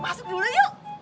masuk dulu yuk